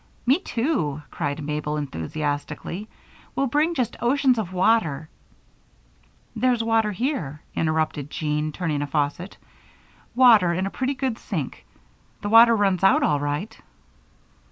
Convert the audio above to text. "Me too," cried Mabel, enthusiastically. "We'll bring just oceans of water " "There's water here," interrupted Jean, turning a faucet. "Water and a pretty good sink. The water runs out all right."